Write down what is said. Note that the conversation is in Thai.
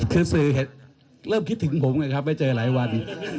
คือสื่อเริ่มคิดถึงผมไงครับไม่เจอหลายวัน